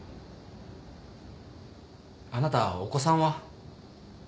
あなたお子さんは？